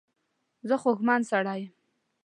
زه خوږمن سړی یم.